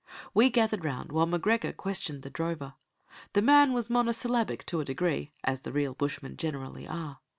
We gathered round while M'Gregor questioned the drover. The man was monosyllabic to a degree, as the real bushmen generally are.